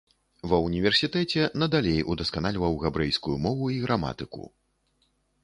Ва ўніверсітэце надалей удасканальваў габрэйскую мову і граматыку.